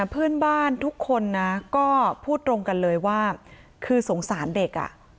เพื่อนบ้านทุกคนนะก็พูดตรงกันเลยว่าคือสงสารเด็ก